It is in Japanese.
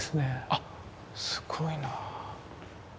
あっすごいな。